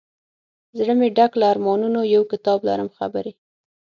زړه مي ډک له ارمانونو یو کتاب لرم خبري